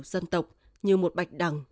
dân tộc như một bạch đằng